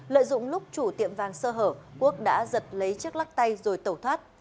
lợi dụng lúc chủ tiệm vàng sơ hở quốc đã giật lấy chiếc lắc tay rồi tẩu thoát